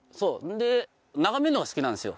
で眺めるのが好きなんですよ